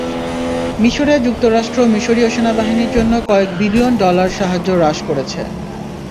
মিসরে যুক্তরাষ্ট্র মিসরীয় সেনাবাহিনীর জন্য কয়েক বিলিয়ন ডলার সাহায্য হ্রাস করেছে।